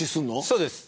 そうです。